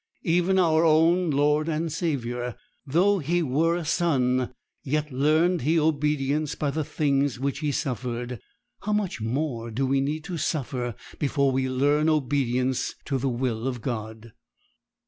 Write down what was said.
Even our own Lord and Saviour, "though He were a son, yet learned He obedience by the things which He suffered." How much more do we need to suffer before we learn obedience to the will of God!